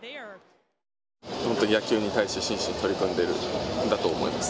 本当に野球に対して真摯に取り組んでいるんだと思います。